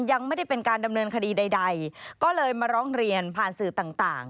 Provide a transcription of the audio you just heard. ยังไม่ได้เป็นการดำเนินคดีใดก็เลยมาร้องเรียนผ่านสื่อต่าง